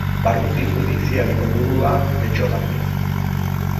Barruti judizialeko burua Getxo da.